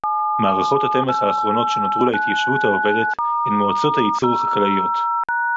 מערכות התמך האחרונות שנותרו להתיישבות העובדת הן מועצות הייצור החקלאיות